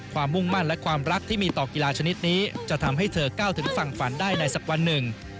มุ่งมั่นและความรักที่มีต่อกีฬาชนิดนี้จะทำให้เธอก้าวถึงฝั่งฝันได้ในสักวันหนึ่ง